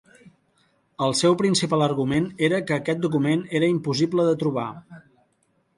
El seu principal argument era que aquest document era impossible de trobar.